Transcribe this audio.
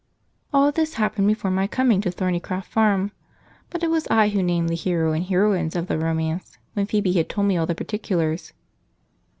All this happened before my coming to Thornycroft Farm, but it was I who named the hero and heroines of the romance when Phoebe had told me all the particulars.